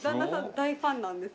大ファンなんです。